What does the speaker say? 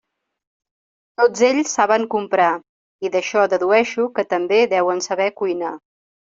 Tots ells saben comprar, i d'això dedueixo que també deuen saber cuinar.